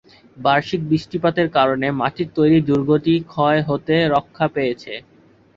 বার্ষিক বৃষ্টিপাতের কারণে মাটির তৈরী দুর্গটি ক্ষয় হতে রক্ষা পেয়েছে।